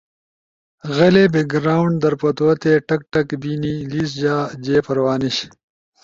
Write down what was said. غلے بیک گراونڈ در پتوتے ٹک ٹک بینی لیش جا جے پروا نیِش،